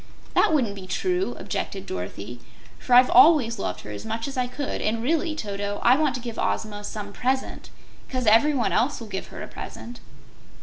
"That wouldn't be true," objected Dorothy, "for I've always loved her as much as I could, and, really, Toto, I want to give Ozma some PRESENT, 'cause everyone else will give her a present."